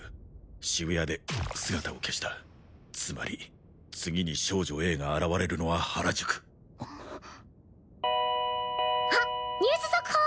渋谷で姿を消したつまり次に少女Ａが現れるのは原宿あっニュース速報！